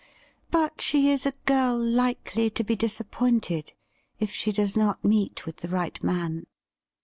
But she is a girl likely to be disappointed if she does not meet with the right man.